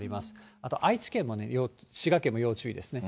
あと愛知県も、滋賀県も要注意ですね。